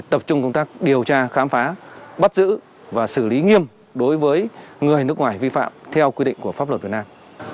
tập trung công tác điều tra khám phá bắt giữ và xử lý nghiêm đối với người nước ngoài vi phạm theo quy định của pháp luật việt nam